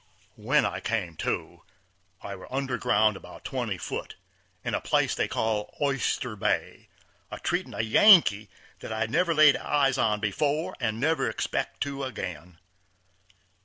When I come to, I were under ground about twenty foot, in a place they call Oyster Bay, treatin' a Yankee that I never laid eyes on before and never expect to ag'in.